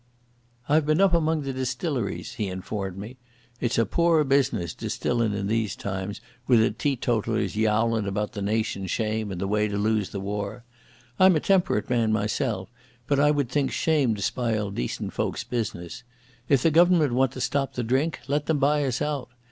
"I've been up among the distilleries," he informed me. "It's a poor business distillin' in these times, wi' the teetotallers yowlin' about the nation's shame and the way to lose the war. I'm a temperate man mysel', but I would think shame to spile decent folks' business. If the Government want to stop the drink, let them buy us out.